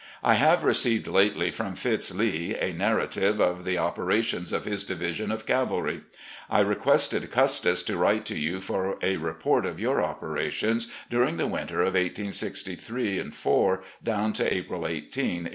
I have received, lately, from Fitz Lee a narrative of the opera tions of his division of cavalry. I requested Custis to write to you for a report of your operations during the winter of 1863 4 down to April 18, 1865.